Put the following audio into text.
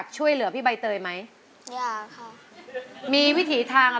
ใบเตยเลือกใช้ได้๓แผ่นป้ายตลอดทั้งการแข่งขัน